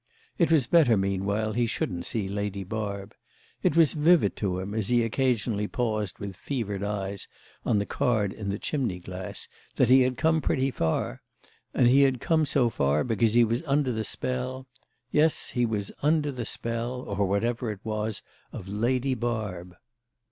It was better meanwhile he shouldn't see Lady Barb. It was vivid to him, as he occasionally paused with fevered eyes on the card in the chimney glass, that he had come pretty far; and he had come so far because he was under the spell—yes, he was under the spell, or whatever it was, of Lady Barb.